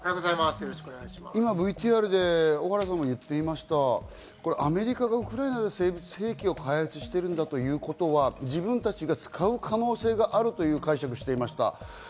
今、ＶＴＲで小原さんも言っていました、アメリカがウクライナで生物兵器を開発しているんだということは、自分たちが使う可能性があるという解釈をしていました。